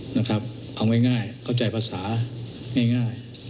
เอาง่ายเข้าใจภาษาง่าย